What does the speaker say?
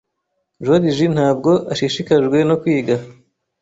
Joriji ntabwo ashishikajwe no kwiga.